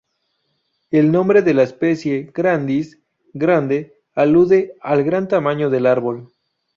El nombre de la especie, "grandis", "grande" alude al gran tamaño del árbol.